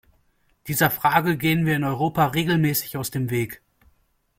Dieser Frage gehen wir in Europa regelmäßig aus dem Weg.